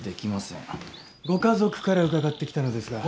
ご家族から伺ってきたのですが。